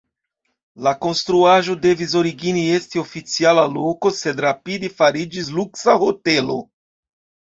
La konstruaĵo devis origine esti oficiala loko, sed rapide fariĝis luksa hotelo.